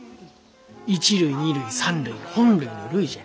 一塁二塁三塁本塁の塁じゃ。